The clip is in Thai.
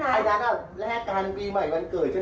นางอ้ำคือพี่เอ๊จะเอาเงินไปจ่ายให้พี่เอ๊